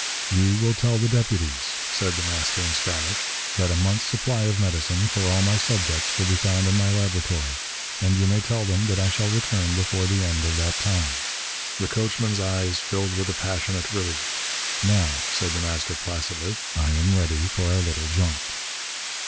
"You will tell the deputies," said The Master in Spanish, "that a month's supply of medicine for all my subjects will be found in my laboratory. And you may tell them that I shall return before the end of that time." The coachman's eyes filled with a passionate relief. "Now," said The Master placidly, "I am ready for our little jaunt."